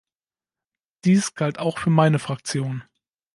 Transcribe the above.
Dies galt auch für meine Fraktion.